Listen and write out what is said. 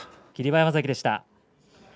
馬山関でした。